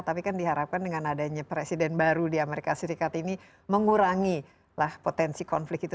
tapi kan diharapkan dengan adanya presiden baru di amerika serikat ini mengurangi potensi konflik itu